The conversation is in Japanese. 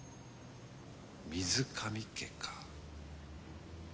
水上家か。